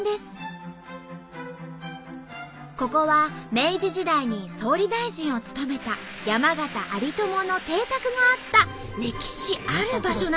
ここは明治時代に総理大臣を務めた山縣有朋の邸宅があった歴史ある場所なんです。